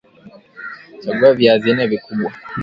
Chagua viazi nne vikubwa